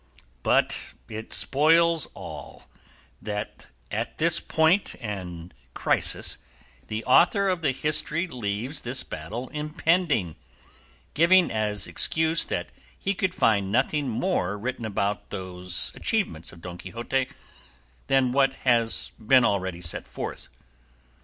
But it spoils all, that at this point and crisis the author of the history leaves this battle impending, giving as excuse that he could find nothing more written about these achievements of Don Quixote than what has been already set forth.